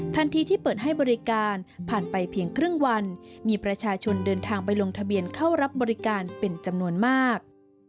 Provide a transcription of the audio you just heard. ที่เปิดให้บริการผ่านไปเพียงครึ่งวันมีประชาชนเดินทางไปลงทะเบียนเข้ารับบริการเป็นจำนวนมาก